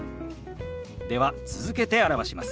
では続けて表します。